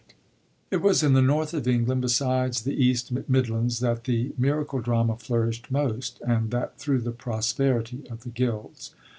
It was in the North of England, besides the East Midlands, that the miracle drama flourisht most^ and that thru the prosperity of the gilds.